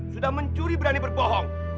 sudah mencuri berani berbohong